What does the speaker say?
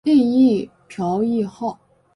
另译朴宣浩。